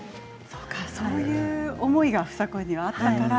そういう思いが房子にはあったから。